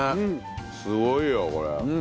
すごいよこれ。